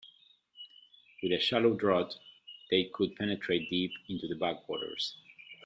With a shallow draught, they could penetrate deep into the back waters.